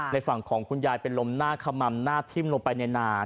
ในฝั่งของคุณยายเป็นลมหน้าขม่ำหน้าทิ้มลงไปในนา